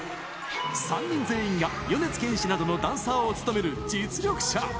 ３人全員が米津玄師などのダンサーを務める実力者。